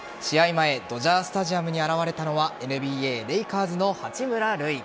前ドジャースタジアムに現れたのはＮＢＡ、レイカーズの八村塁。